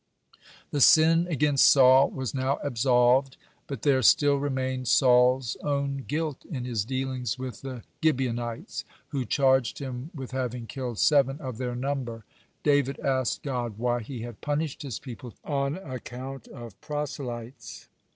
(113) The sin against Saul was now absolved, but there still remained Saul's own guilt in his dealings with the Gibeonites, who charged him with having killed seven of their number. David asked God why He had punished His people on account of proselytes.